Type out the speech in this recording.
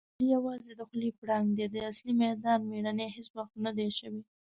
علي یووازې د خولې پړانګ دی. د اصلي میدان مېړنی هېڅ وخت ندی شوی.